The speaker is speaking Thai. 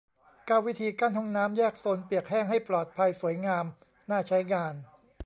เก้า วิธีกั้นห้องน้ำแยกโซนเปียกแห้ง ให้ปลอดภัย สวยงาม น่าใช้งาน